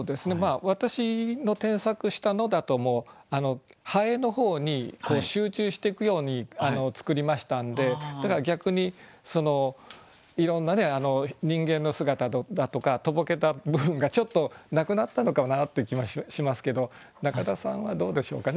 私の添削したのだともう蠅の方に集中していくように作りましたんでだから逆にいろんな人間の姿だとかとぼけた部分がちょっとなくなったのかなという気もしますけど中田さんはどうでしょうかね